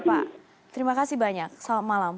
terima kasih pak terima kasih banyak selamat malam